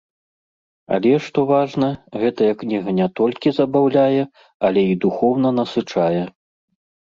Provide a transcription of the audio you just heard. Але, што важна, гэтая кніга не толькі забаўляе, але і духоўна насычае.